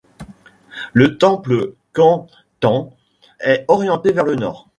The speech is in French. Le temple Quán Thánh est orienté vers le nord.